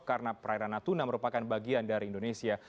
karena perairan natuna merupakan bagian dari indonesia